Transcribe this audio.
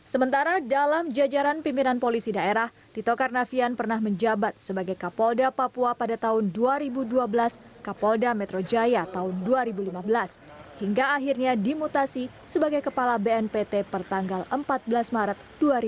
sementara dalam jajaran pimpinan polisi daerah tito karnavian pernah menjabat sebagai kapolda papua pada tahun dua ribu dua belas kapolda metro jaya tahun dua ribu lima belas hingga akhirnya dimutasi sebagai kepala bnpt pertanggal empat belas maret dua ribu dua puluh